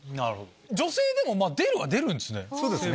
女性でも出るは出るんすね。